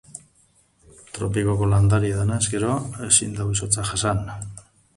Tropikoko landarea denez gero, ezin du izotza jasan.